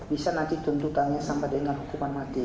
bisa nanti tuntutannya sampai dengan hukuman mati